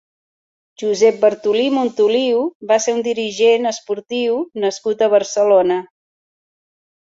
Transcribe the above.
Josep Bartolí Montoliu va ser un dirigent esportiu nascut a Barcelona.